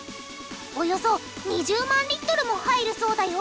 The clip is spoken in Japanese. およそ２０万リットルも入るそうだよ